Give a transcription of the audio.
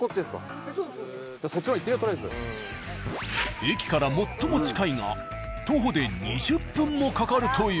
「駅から最も近い」が徒歩で２０分もかかるという。